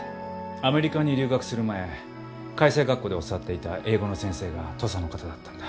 アメリカに留学する前開成学校で教わっていた英語の先生が土佐の方だったんだ。